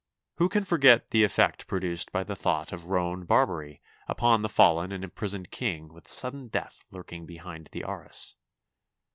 Who can forget the effect produced by the thought of Roan Barbary upon the fallen and imprisoned king with sudden death lurking behind the arras